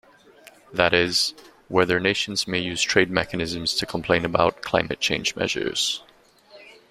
That is, whether nations may use trade mechanisms to complain about climate change measures.